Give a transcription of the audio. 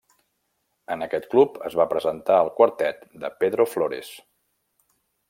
En aquest club es va presentar el quartet de Pedro Flores.